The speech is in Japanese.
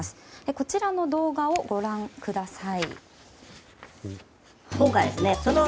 こちらの動画をご覧ください。